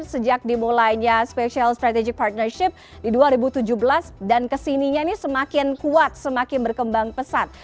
sejak dimulainya special strategic partnership di dua ribu tujuh belas dan kesininya ini semakin kuat semakin berkembang pesat